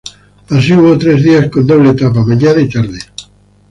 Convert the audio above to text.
Así, hubo tres días con doble etapa mañana y tarde.